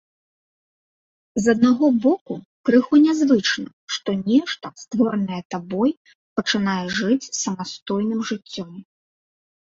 З аднаго боку, крыху нязвычна, што нешта, створанае табой, пачынае жыць самастойным жыццём.